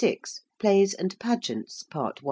PLAYS AND PAGEANTS. PART I.